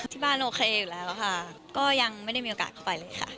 ที่บ้านโอเคอยู่แล้วค่ะก็ยังไม่ได้มีโอกาสเข้าไปเลยค่ะ